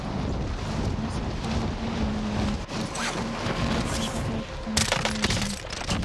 The concept of feeder lines is also important in public transportation.